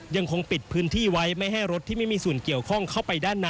ยังคงปิดพื้นที่ไว้ไม่ให้รถที่ไม่มีส่วนเกี่ยวข้องเข้าไปด้านใน